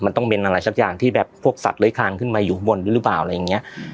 มันต้องเป็นอะไรสักอย่างที่แบบพวกสัตว์เลื้อยคลางขึ้นมาอยู่ข้างบนด้วยหรือเปล่าอะไรอย่างเงี้ย